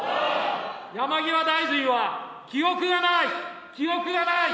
山際大臣は記憶がない、記憶がない、